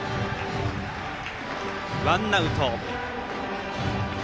ワンアウト。